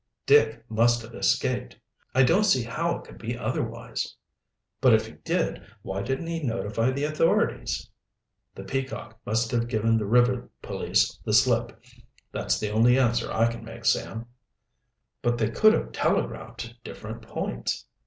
"Dick must have escaped. I don't see how it could be otherwise." "But if he did, why didn't he notify the authorities?" "The Peacock must have given the river police the slip; that's the only answer I can make, Sam." "But they could have telegraphed to different points."